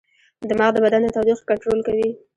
دماغ د بدن د تودوخې کنټرول کوي.